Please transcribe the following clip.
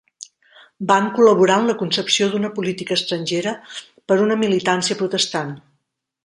Van col·laborar en la concepció d'una política estrangera per una militància protestant.